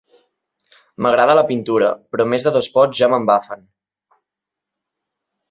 M'agrada la pintura, però més de dos pots ja m'embafen.